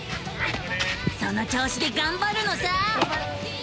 その調子でがんばるのさ！